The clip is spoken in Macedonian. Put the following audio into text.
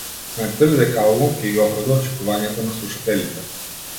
Сметате ли дека албумот ќе ги оправда очекувањата на слушателите?